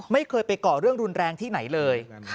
ไม่เคยไปก่อเรื่องรุนแรงที่ไหนเลย